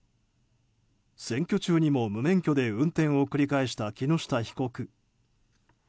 選挙中にも無免許で運転を繰り返した木下被告。